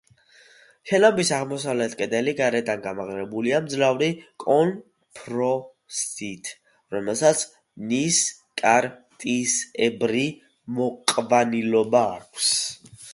შენობის აღმოსავლეთ კედელი გარედან გამაგრებულია მძლავრი კონტრფორსით, რომელსაც ნისკარტისებრი მოყვანილობა აქვს.